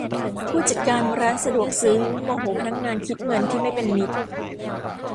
ผู้จัดการร้านสะดวกซื้อโมโหพนักงานคิดเงินที่ไม่เป็นมิตร